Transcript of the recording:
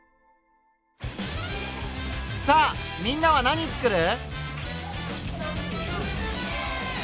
さあみんなは何つくる？